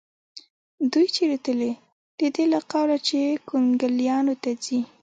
دوی چېرې تلې؟ د دې له قوله چې کونګلیانو ته ځي.